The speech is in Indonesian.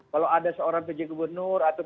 kalau ada seorang pj gubernur atau